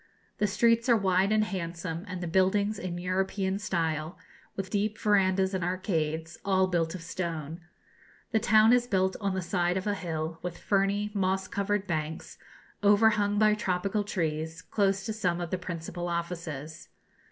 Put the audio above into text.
The streets are wide and handsome, and the buildings in European style, with deep verandahs and arcades, all built of stone. The town is built on the side of a hill, with ferny, moss covered banks, overhung by tropical trees, close to some of the principal offices.